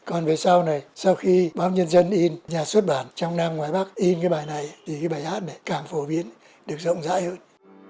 còn về sau này sau khi báo nhân dân in nhà xuất bản trong nam ngoài bác in cái bài này thì cái bài hát này càng phổ biến được rộng rãi hơn